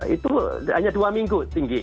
itu hanya dua minggu tinggi